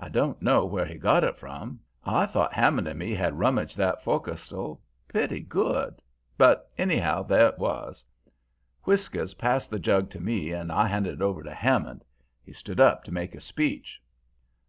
I don't know where he got it from I thought Hammond and me had rummaged that fo'castle pretty well but, anyhow, there it was. "Whiskers passed the jug to me and I handed it over to Hammond. He stood up to make a speech.